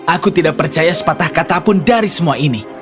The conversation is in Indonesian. aku tidak percaya sepatah kata pun dari semua ini